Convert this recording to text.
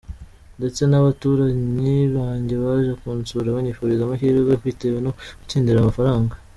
Ndetse n’abaturanyi banjye baje kunsura banyifuriza amahirwe bitewe no gutsindira ayo mafaranga.